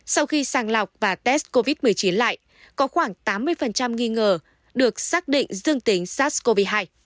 sau khi sàng lọc và test covid một mươi chín lại có khoảng tám mươi nghi ngờ được xác định dương tính sars cov hai